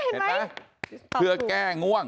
เห็นไหมเพื่อแก้ง่วง